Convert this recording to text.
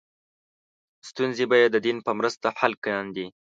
ستونزې به یې د دین په مرسته حل کاندې.